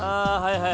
はい。